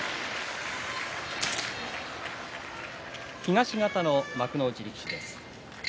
東方の幕内力士です。